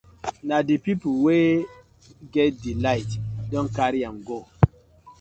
Na di pipus wey get di light don karry am go.